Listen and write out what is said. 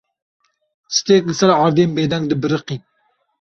Stêrk li ser erdên bêdeng dibiriqîn.